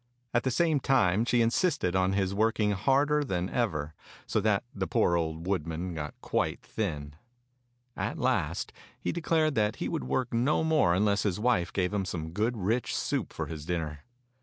At the same time she insisted on his working harder than ever, so that the poor old woodman got quite thin. At last he declared that he would work no more unless his wife gave him some good rich soup for his dinner.